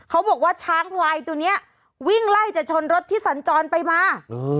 เขาบอกว่าช้างพลายตัวเนี้ยวิ่งไล่จะชนรถที่สัญจรไปมา